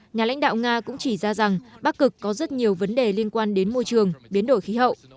nhà lãnh đạo nga cũng chỉ ra rằng bắc cực có rất nhiều vấn đề liên quan đến môi trường biến đổi khí hậu